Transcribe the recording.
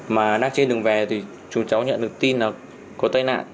mà đang trên đường về thì chủ cháu nhận được tin là có tai nạn